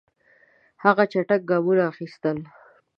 هغې چټک ګامونه اخیستل.